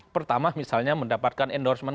pertama misalnya mendapatkan endorsement